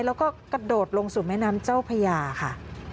แล้วก็กระโดดลงสู่แม่น้ำเจ้าพญาค่ะ